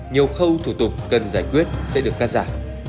nhiều khâu thủ tục cần giải quyết sẽ được cắt giảm